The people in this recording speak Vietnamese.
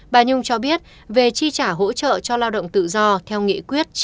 bà nhung cho biết về chi trả hỗ trợ cho lao động tự do theo nghị quyết chín hai nghìn hai mươi một